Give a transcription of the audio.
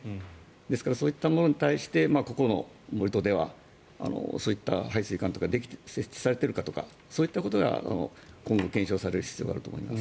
ですから、そういうものに対してここの盛り土ではそういった排水管とかが設置されているかとかそういったことが今後検証される必要があると思います。